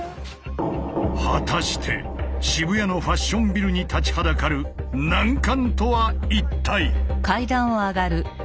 果たして渋谷のファッションビルに立ちはだかる難関とは一体？